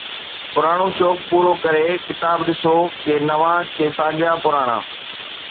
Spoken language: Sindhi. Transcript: پراڻو شوق پورو ڪري، ڪتاب ڏسو، ڪي نوان، ڪي ساڳيا پراڻا